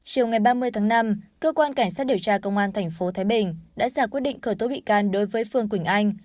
chiều ngày ba mươi tháng năm cơ quan cảnh sát điều tra công an tp thái bình đã giả quyết định khởi tố bị can đối với phương quỳnh anh